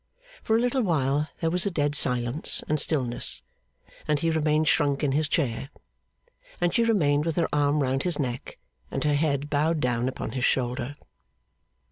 For a little while there was a dead silence and stillness; and he remained shrunk in his chair, and she remained with her arm round his neck and her head bowed down upon his shoulder.